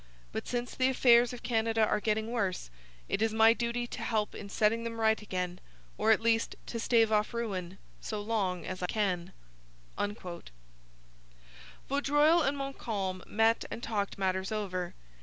But since the affairs of Canada are getting worse, it is my duty to help in setting them right again, or at least to stave off ruin so long as I can.' Vaudreuil and Montcalm met and talked matters over.